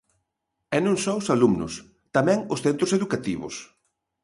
E non só os alumnos, tamén os centros educativos.